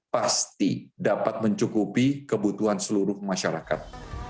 pasti dapat mencukupi kebutuhan seluruh masyarakat